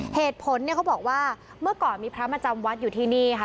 เหตุผลเนี่ยเขาบอกว่าเมื่อก่อนมีพระมาจำวัดอยู่ที่นี่ค่ะ